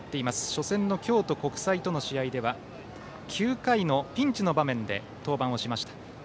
初戦の京都国際との試合では９回のピンチの場面で登板をしました。